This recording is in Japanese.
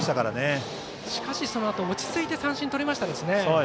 そのあと落ち着いて三振をとりましたね。